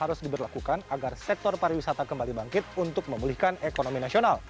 harus diberlakukan agar sektor pariwisata kembali bangkit untuk memulihkan ekonomi nasional